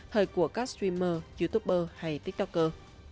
thời của các streamer youtuber hay tiktoker